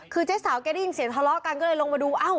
คือเจ๊สาวแกได้ยินเสียงทะเลาะกันก็เลยลงมาดูเอ้า